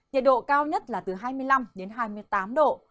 nhiệt độ cao nhất là từ hai mươi năm đến hai mươi tám độ